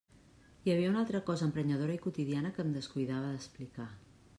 Hi havia una altra cosa emprenyadora i quotidiana que em descuidava d'explicar.